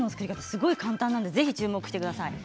すごく簡単なのでぜひ注目してください。